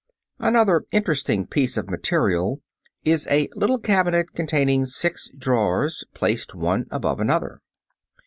Another interesting piece of material is a little cabinet containing six drawers placed one above another.